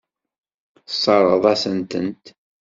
Tesseṛɣeḍ-asent-tent.